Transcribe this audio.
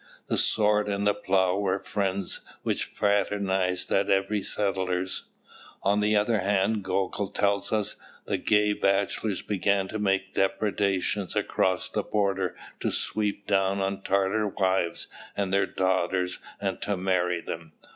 The sword and the plough were friends which fraternised at every settler's. On the other hand, Gogol tells us, the gay bachelors began to make depredations across the border to sweep down on Tatars' wives and their daughters and to marry them.